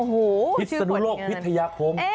พิศนโลกพิทยาคม